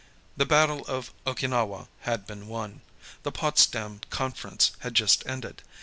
The battle of Okinawa had been won. The Potsdam Conference had just ended.